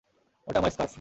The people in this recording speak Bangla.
ওটা আমার স্কার্ফ!